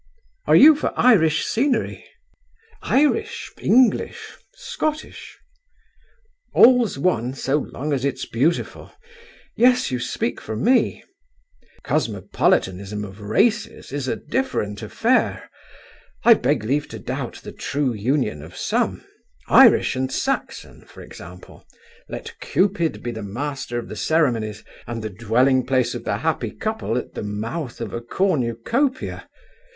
"Are you for Irish scenery?" "Irish, English, Scottish." "All's one so long as it's beautiful: yes, you speak for me. Cosmopolitanism of races is a different affair. I beg leave to doubt the true union of some; Irish and Saxon, for example, let Cupid be master of the ceremonies and the dwelling place of the happy couple at the mouth of a Cornucopia.